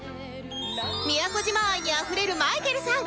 宮古島愛にあふれるまいけるさん